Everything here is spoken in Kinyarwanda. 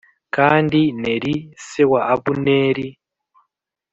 kandi Neri se wa Abuneri